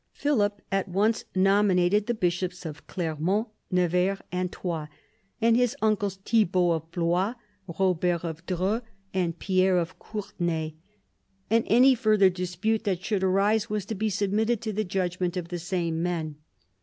Philip at once nominated the bishops of Clermont, Nevers, and Troyes, and his uncles Thibault of Blois, Robert of Dreux, and Pierre of 30 PHILIP AUGUSTUS chap. Courtenay; and any further dispute that should arise was to be submitted to the judgment of the same men.